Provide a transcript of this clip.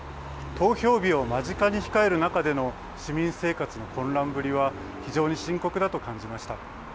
投票日を間近に控える中での市民生活の混乱ぶりは非常に深刻だと感じました。